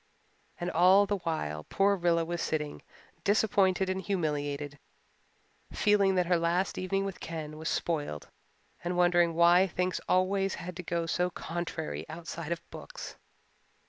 And all the while, poor Rilla was sitting, disappointed and humiliated, feeling that her last evening with Ken was spoiled and wondering why things always had to go so contrarily outside of books.